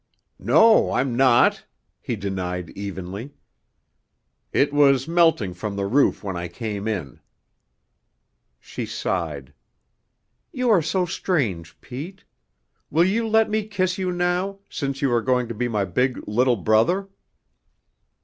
"No, I'm not," he denied evenly. "It was melting from the roof when I came in." She sighed. "You are so strange, Pete. Will you let me kiss you now since you are going to be my big little brother?"